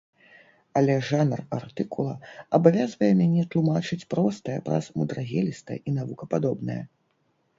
Але жанр артыкула абавязвае мяне тлумачыць простае праз мудрагелістае і навукападобнае.